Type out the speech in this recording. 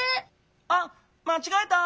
あっまちがえた！